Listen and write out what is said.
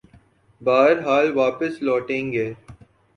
بہرحال واپس لوٹیں گے۔